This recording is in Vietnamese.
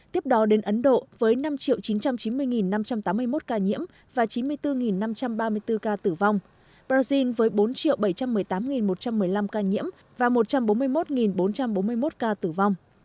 tiếp đó đến ấn độ với năm chín trăm chín mươi năm trăm tám mươi một ca nhiễm và chín mươi bốn năm trăm ba mươi bốn ca tử vong brazil với bốn bảy trăm một mươi tám một trăm một mươi năm ca nhiễm và một trăm bốn mươi một bốn trăm bốn mươi một ca tử vong